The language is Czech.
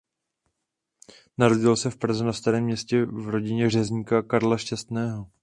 Narodil se v Praze na Starém Městě v rodině řezníka Karla Šťastného.